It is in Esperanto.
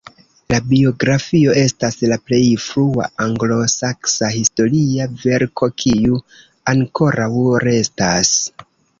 La biografio estas la plej frua anglosaksa historia verko kiu ankoraŭ restas.